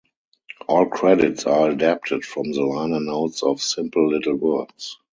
All credits are adapted from the liner notes of "Simple Little Words".